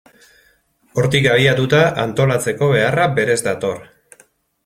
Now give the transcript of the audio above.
Hortik abiatuta, antolatzeko beharra berez dator.